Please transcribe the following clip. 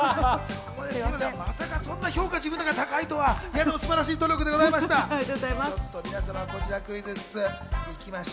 まさかそんな評価、自分の中で高いとは、でも素晴らしい努力でございました。